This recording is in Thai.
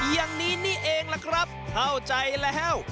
อย่างนี้นี่เองล่ะครับเข้าใจแล้ว